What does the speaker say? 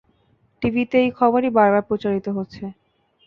টিভিতে এই খবরই বারবার প্রচারিত হচ্ছে।